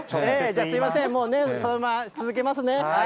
すみません、もうね、そのまま続けますね。